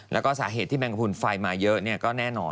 แล้วก็สาเหตุที่แมงกระพุนไฟมาเยอะก็แน่นอน